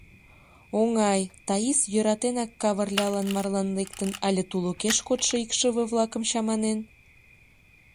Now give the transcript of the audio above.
Оҥай, Таис йӧратенак Кавырлялан марлан лектын але тулыкеш кодшо икшыве-влакым чаманен?»